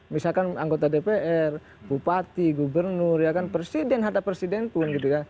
misalkan anggota dpr bupati gubernur presiden ada presiden pun